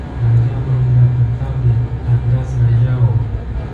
راجا مهیندراپراتاپ د هتراس راجا وو.